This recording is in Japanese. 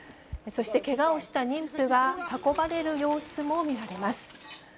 そしてけがをした妊婦が運ばれる様子も見られます。